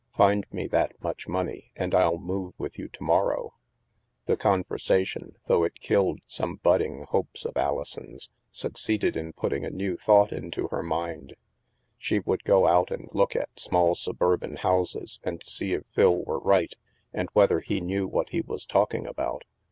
Find me that much money, and ril move with you to morrow." The conversation, though it killed some budding hopes of Alison's, succeeded in putting a new thought into her mind. She would go out and look at small suburban houses and see if Phil were right, and whether he knew what he was talking about.